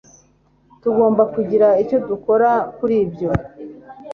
tugomba kugira icyo dukora kuri ibyo